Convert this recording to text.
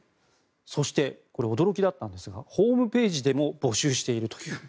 そして、驚きだったんですがホームページでも募集しているという。